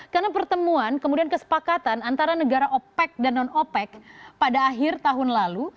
karena pertemuan kemudian kesepakatan antara negara opec dan non opec pada akhir tahun lalu